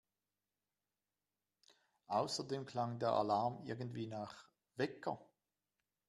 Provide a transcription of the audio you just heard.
Außerdem klang der Alarm irgendwie nach … Wecker!